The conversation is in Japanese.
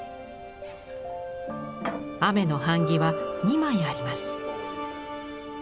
雨の版木は２枚あります。